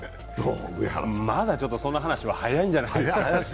まだその話は早いんじゃないですか？